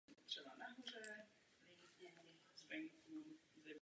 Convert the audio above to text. Právě na území Indie a přiléhajících státech se ptáci z tohoto rodu vyskytují.